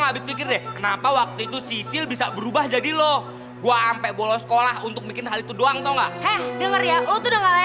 glassio makasih ya udah nolongin gue